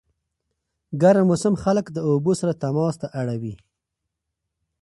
ګرم موسم خلک د اوبو سره تماس ته اړوي.